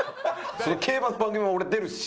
その競馬の番組俺出るし！